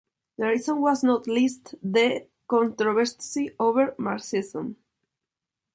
The reason was not least the controversy over Marxism.